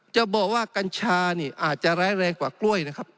จะบอกว่ากัญชานี่อาจจะร้ายแรงกว่ากล้วยนะครับ